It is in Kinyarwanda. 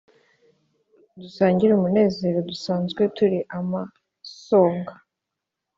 Dusangire umunezero Dusanzwe turi amasonga